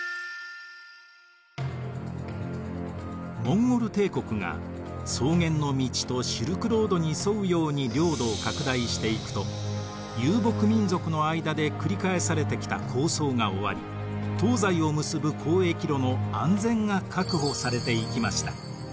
モンゴル帝国が草原の道とシルクロードに沿うように領土を拡大していくと遊牧民族の間で繰り返されてきた抗争が終わり東西を結ぶ交易路の安全が確保されていきました。